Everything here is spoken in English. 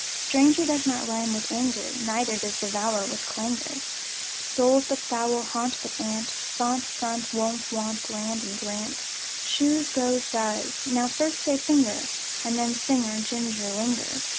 Stranger does not rime with anger, Neither does devour with clangour. Soul, but foul and gaunt, but aunt; Font, front, wont; want, grand, and, grant, Shoes, goes, does.) Now first say: finger, And then: singer, ginger, linger.